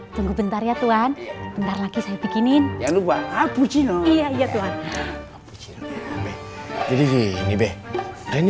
tunggu bentar ya tuhan terlalu pikirin jangan lupa afroci ini